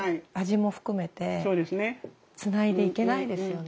つないでいけないですよね。